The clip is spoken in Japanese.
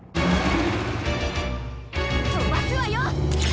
とばすわよ！